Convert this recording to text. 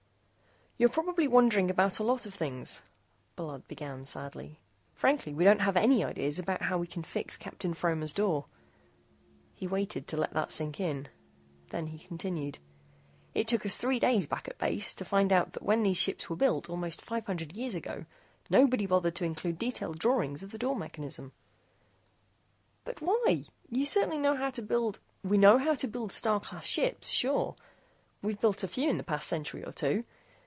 "You're probably wondering about a lot of things," Bullard began sadly. "Frankly, we don't have any ideas about how we can fix Captain Fromer's door." He waited to let that sink in. Then he continued: "It took us three days back at the base to find out that when these ships were built, almost five hundred years ago, nobody bothered to include detail drawings of the door mechanism." "But why? You certainly know how to build " "We know how to build Star Class ships, sure. We've built a few in the past century or two.